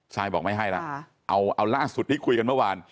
บอกไม่ให้แล้วเอาล่าสุดที่คุยกันเมื่อวาน